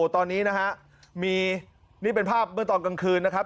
ตอนนี้นะฮะมีนี่เป็นภาพเมื่อตอนกลางคืนนะครับ